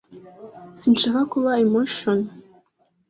Sinshaka kuba imposition.